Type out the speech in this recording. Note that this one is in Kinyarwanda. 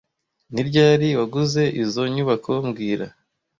Ni ryari waguze izoi nyubako mbwira